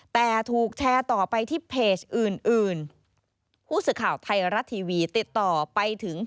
แต่ถูกแชร์ต่อไปที่เพจอื่น